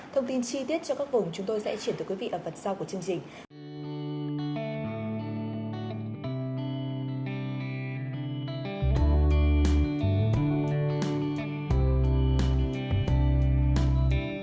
thông tin chi tiết cho các vùng chúng tôi sẽ chuyển tới quý vị ở phần sau của chương trình